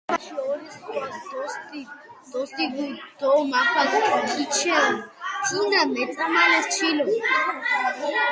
მაფაში ოსურისქუაქ დოსქიდჷ დო მაფაქ ქიმეჩჷ თინა მეწამალეს ჩილო.